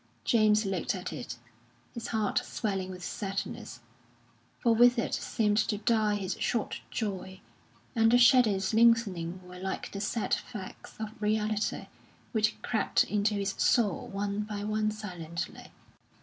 James looked at it, his heart swelling with sadness; for with it seemed to die his short joy, and the shadows lengthening were like the sad facts of reality which crept into his soul one by one silently.